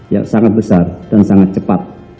ya sangat besar dan sangat cepat